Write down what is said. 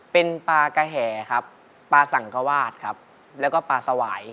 เป็นปลากระแหครับปลาสังกวาดครับแล้วก็ปลาสวาย